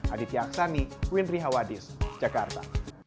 aditya aksani windri hawadis jakarta